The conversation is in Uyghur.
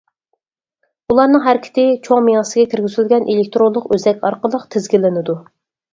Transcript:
ئۇلارنىڭ ھەرىكىتى چوڭ مېڭىسىگە كىرگۈزۈلگەن ئېلېكتىرونلۇق ئۆزەك ئارقىلىق تىزگىنلىنىدۇ.